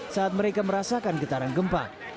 saat mereka merasakan getaran gempa